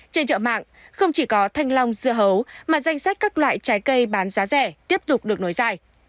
trên chợ mạng không chỉ có thanh long dưa hấu mà danh sách các loại trái cây bán giá rẻ tiếp tục được nối dài